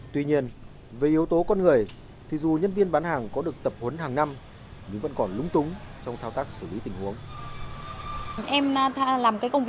tuy nhiên về yếu tố con người thì dù nhân viên bán hàng có được tập huấn hàng năm nhưng vẫn còn lúng túng trong thao tác xử lý tình huống